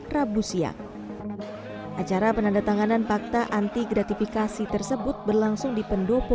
rabu siang acara penandatanganan fakta anti gratifikasi tersebut berlangsung di pendopo